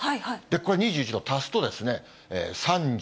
これ、２１度、足すと３０？